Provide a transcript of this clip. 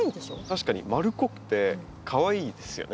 確かに丸っこくてかわいいですよね。